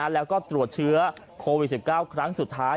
แล้วก็ตรวจเชื้อโควิด๑๙ครั้งสุดท้าย